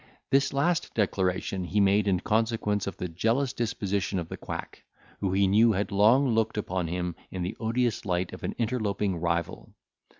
This last declaration he made in consequence of the jealous disposition of the quack, who he knew had long looked upon him in the odious light of an interloping rival.